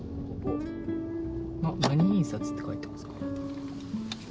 何印刷って書いてますか。